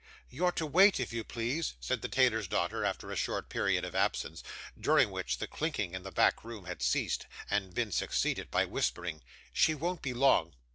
'You're to wait, if you please,' said the tailor's daughter, after a short period of absence, during which the clinking in the back room had ceased, and been succeeded by whispering 'She won't be long.